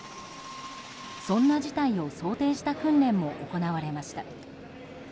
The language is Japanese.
そんな事態を想定した訓練も行われました。